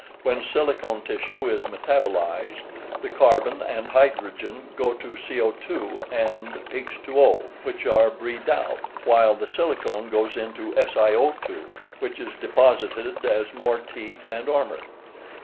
When silicone tissue is metabolized, the carbon and hydrogen go to CO_ and H_O, which are breathed out, while the silicone goes into SiO_, which is deposited as more teeth and armor.